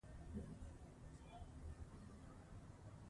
د خلکو ګډون د ټولنې پرمختګ اصل دی